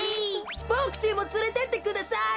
ボクちんもつれてってください。